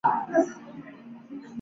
但因对手是美爱而心感矛盾。